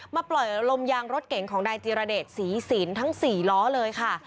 มาปล่อยลมยางรถเก่งของนายจีรเดชสีสินทั้งสี่ล้อเลยค่ะ